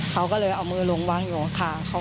เขาก็เลยเอามือลงวางอยู่ข้างเขา